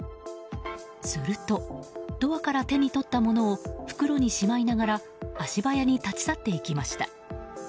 するとドアから手に取ったものを袋にしまいながら足早に立ち去っていきました。